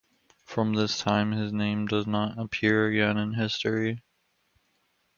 From this time his name does not appear again in history.